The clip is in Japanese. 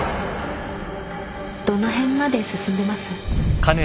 どの辺まで進んでます？